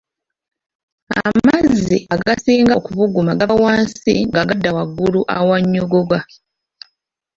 Amazzi agasinga okubuguma gava wansi nga gadda waggulu awannyogoga